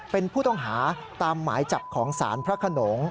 เป็นผู้ต้องหาตามหมายจับของศาลพระขนง